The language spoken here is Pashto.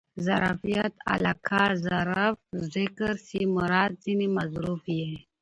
ظرفیت علاقه؛ ظرف ذکر سي مراد ځني مظروف يي.